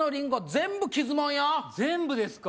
全部ですか？